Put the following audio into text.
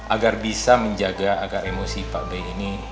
agar bisa menjaga agar emosi pak b ini